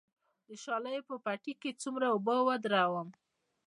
د شالیو په پټي کې څومره اوبه ودروم؟